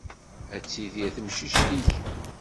Ad tidir temcict-ik.